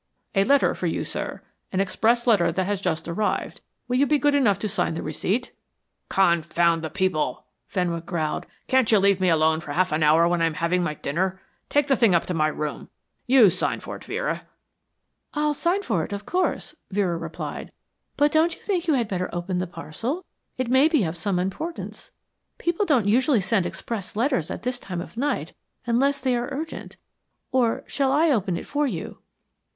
"A letter for you, sir. An express letter which has just arrived. Will you be good enough to sign the receipt?" "Confound the people," Fenwick growled. "Can't you leave me alone for half an hour when I am having my dinner? Take the thing up to my room. You sign it, Vera." "I'll sign it, of course," Vera replied. "But don't you think you had better open the parcel? It may be of some importance. People don't usually send express letters at this time of night unless they are urgent. Or, shall I open it for you?"